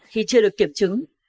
khi chưa được kiểm chứng